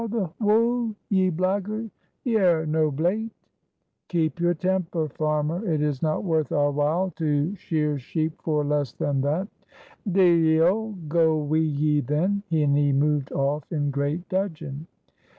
"A' the 'oo! ye blackguard, ye're no blate." "Keep your temper, farmer, it is not worth our while to shear sheep for less than that." "De'il go wi' ye then!" and he moved off in great dudgeon.